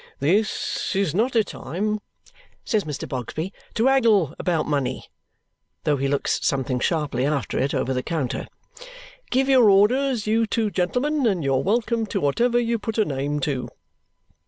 "This is not a time," says Mr. Bogsby, "to haggle about money," though he looks something sharply after it, over the counter; "give your orders, you two gentlemen, and you're welcome to whatever you put a name to."